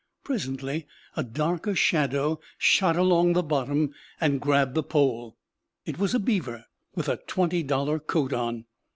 Presently a darker shadow shot along the bottom and grabbed the pole. It was a beaver, with a twenty dollar coat on.